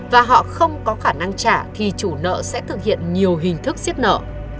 và họ không có khả năng trả thì chủ nợ sẽ thực hiện nhiều hình thức xiết nợ